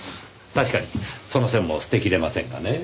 確かにその線も捨て切れませんがねぇ。